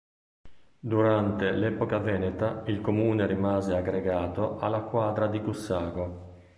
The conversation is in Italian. Durante l'epoca veneta il comune rimase aggregato alla quadra di Gussago.